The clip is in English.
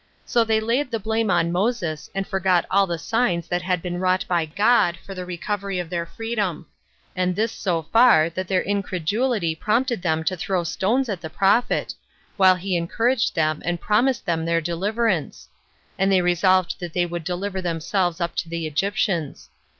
So they laid the blame on Moses, and forgot all the signs that had been wrought by God for the recovery of their freedom; and this so far, that their incredulity prompted them to throw stones at the prophet, while he encouraged them and promised them deliverance; and they resolved that they would deliver themselves up to the Egyptians.